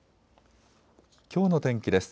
きょうの天気です。